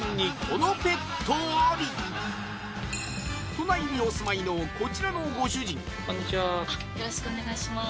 都内にお住まいのこちらのご主人こんにちはあよろしくお願いします